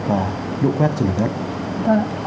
và lũ quét trượt trở mất